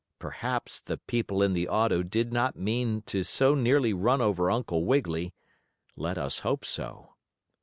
Perhaps the people in the auto did not mean to so nearly run over Uncle Wiggily. Let us hope so.